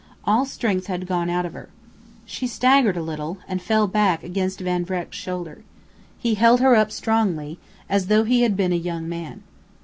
All strength had gone out of her. She staggered a little, and fell back against Van Vreck's shoulder. He held her up strongly, as though he had been a young man.